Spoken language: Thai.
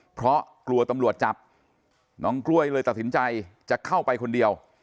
เพราะกลัวตำรวจจับน้องกล้วยเลยตัดสินใจจะเข้าไปคนเดียว